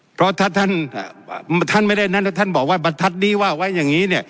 เพราะถ้าท่านไม่ได้นั่นถ้าท่านบอกว่าบรรทัศน์นี้